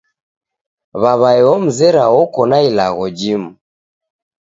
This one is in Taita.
W'aw'ae omzera oko na ilagho jimu!